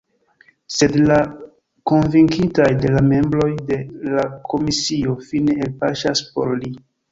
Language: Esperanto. Sed la konvinkitaj de la membroj de la komisio fine elpaŝas por li.